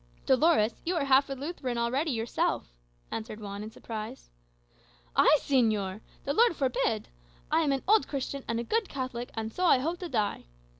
"Dolores, you are half a Lutheran already yourself," answered Juan in surprise. "I, señor! The Lord forbid! I am an old Christian, and a good Catholic, and so I hope to die.